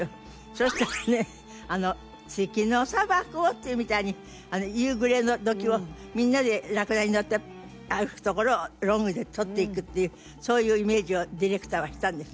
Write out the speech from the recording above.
そしたらねあの「月の沙漠を」っていうみたいに夕暮れ時をみんなでラクダに乗って歩くところをロングで撮っていくっていうそういうイメージをディレクターはしたんですね。